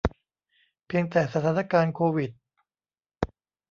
เพียงแต่สถานการณ์โควิด